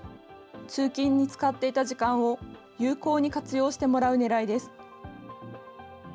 通勤に使っていた時間を有効に活用してもらうねらいです。